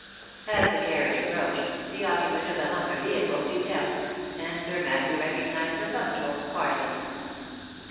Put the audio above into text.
As the carriage approached, the occupant of the humbler vehicle peeped out, and Sir Matthew recognised the punctual Parsons.